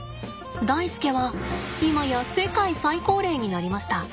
ダイスケは今や世界最高齢になりました。